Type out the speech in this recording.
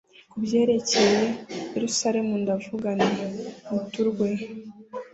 ku byerekeye yeruzalemu ndavuze nti «niturwe»,